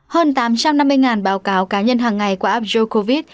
hơn tám trăm năm mươi báo cáo cá nhân hàng ngày qua app joecovid